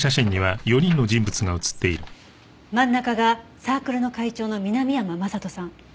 真ん中がサークルの会長の南山将人さん。